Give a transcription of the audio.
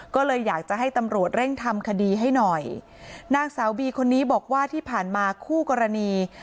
ก็เลยอยากจะให้ตำรวจเร่งทำคดีให้หน่อยนางสาวบีคนนี้บอกว่าที่ผ่านมาคู่กรณี